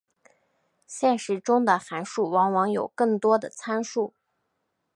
现实中的函数往往有更多的参数。